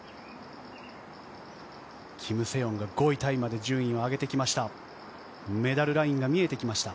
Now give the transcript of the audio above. キム・セヨンが５位タイまで順位を上げてきました。